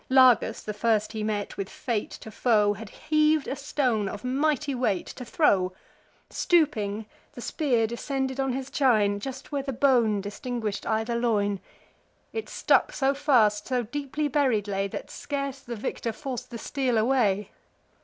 Lagus, the first he met, with fate to foe, Had heav'd a stone of mighty weight, to throw: Stooping, the spear descended on his chine, Just where the bone distinguished either loin: It stuck so fast, so deeply buried lay, That scarce the victor forc'd the steel away.